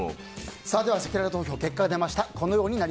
せきらら投票の結果が出ました。